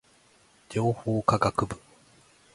情報科学部